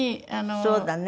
そうだね。